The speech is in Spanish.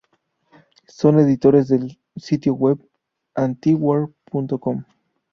Son editores del sitio web Antiwar.com.